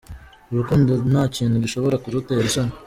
Urukundo nta kintu gishobora kurutera isoni.